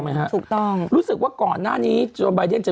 มีสารตั้งต้นเนี่ยคือยาเคเนี่ยใช่ไหมคะ